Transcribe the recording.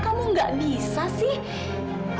kamu gak bisa sih